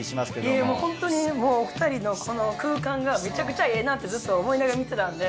いえもうホントにもうお二人のこの空間がめちゃくちゃええなってずっと思いながら見てたんで。